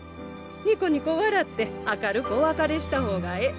ニコニコわらって明るくおわかれしたほうがええ